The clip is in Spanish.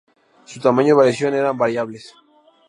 Su tamaño y variación eran variables.